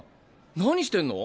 何してんの？